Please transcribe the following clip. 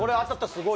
すごい！